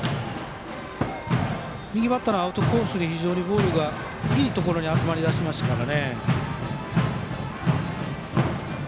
右バッターのアウトコースにボールがいいところに集まり出していますから。